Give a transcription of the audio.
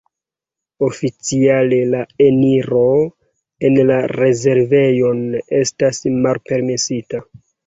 Oficiale la eniro en la rezervejon estas malpermesita.